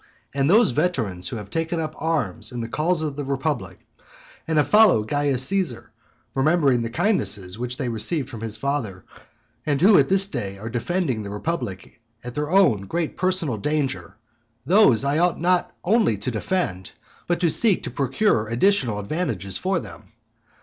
And those veterans who have taken up arms in the cause of the republic, and have followed Caius Caesar, remembering the kindnesses which they received from his father, and who at this day are defending the republic to their own great personal danger, those I ought not only to defend, but to seek to procure additional advantages for them.